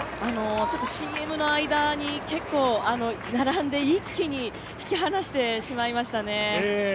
ＣＭの間に結構並んで一気に引き離してしまいましたね。